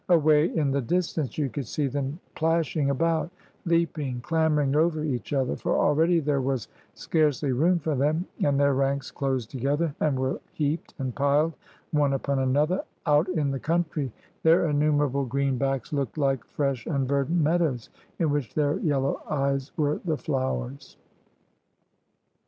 Away in the distance you could see them plashing about, leap ing, clambering over each other, for already there was scarcely room for them, and their ranks closed together, and were heaped and piled one upon another : out in the country their innumerable green backs looked like fresh and verdant meadows, in which their yellow eyes were the flowers.